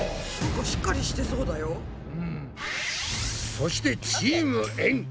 そしてチームエん。